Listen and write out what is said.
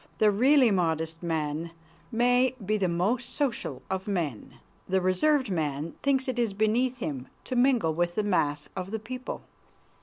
The really modest man may be the most social of men. The reserved man thinks it is beneath him to mingle with the mass of the people.